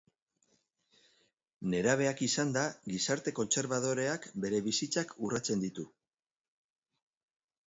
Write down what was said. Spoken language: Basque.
Nerabeak izanda, gizarte kontserbadoreak bere bizitzak urratzen ditu.